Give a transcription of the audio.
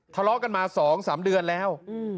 ทะเลาะกันมา๒๓เดือนแล้ว